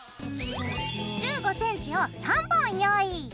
１５ｃｍを３本用意。